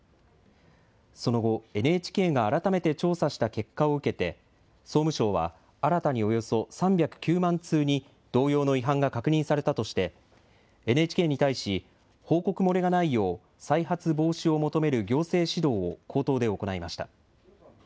その後、ＮＨＫが改めて調査した結果を受けて、総務省は新たにおよそ３０９万通に同様の違反が確認されたとしてＮＨＫに対し報告漏れがないよう再発防止を求める行政指導を口頭で行いました。